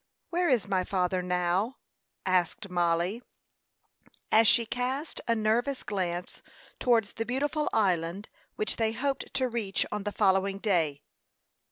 "Where is my father now?" asked Mollie, as she cast a nervous glance towards the beautiful island which they hoped to reach on the following day.